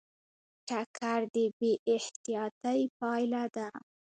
ټکر د بې احتیاطۍ پایله ده.